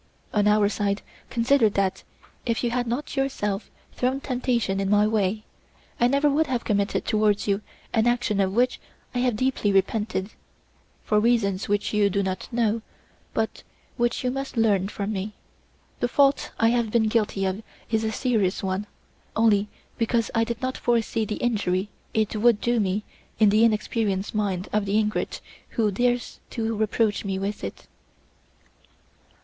On our side, consider that, if you had not yourself thrown temptation in my way, I never would have committed towards you an action of which I have deeply repented, for reasons which you do not know, but which you must learn from me. The fault I have been guilty of is a serious one only because I did not foresee the injury it would do me in the inexperienced mind of the ingrate who dares to reproach me with it."